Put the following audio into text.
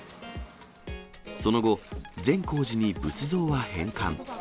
その後、善光寺に仏像は返還。